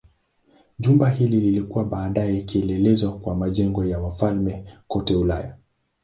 Jumba hili lilikuwa baadaye kielelezo kwa majengo ya wafalme kote Ulaya.